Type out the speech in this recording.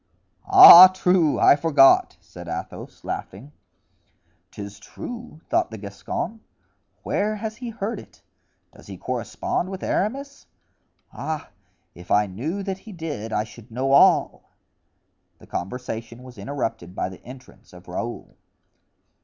"Ah, true! I forgot," said Athos, laughing. "'Tis true!" thought the Gascon, "where has he heard it? Does he correspond with Aramis? Ah! if I knew that he did I should know all." The conversation was interrupted by the entrance of Raoul.